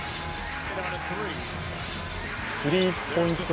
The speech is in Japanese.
スリーポイント